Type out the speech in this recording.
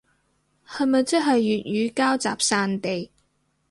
係咪即係粵語膠集散地